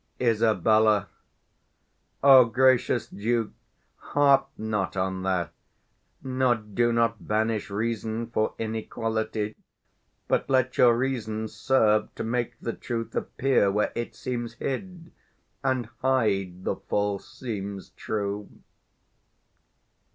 Isab. O gracious Duke, Harp not on that; nor do not banish reason For inequality; but let your reason serve 65 To make the truth appear where it seems hid, And hide the false seems true.